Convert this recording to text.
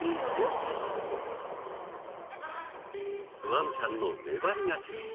ワンちゃんの粘り勝ち。